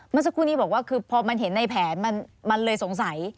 เมื่อสักครู่นี้บอกว่าคือพอมันเห็นในแผนมันเลยสงสัย